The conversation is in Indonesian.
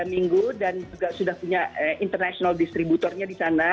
tiga minggu dan juga sudah punya international distributornya disana